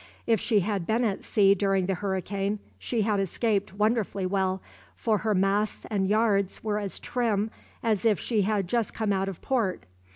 If she had been at sea during the hurricane, she had escaped wonderfully well, for her masts and yards were as trim as if she had just come out of port.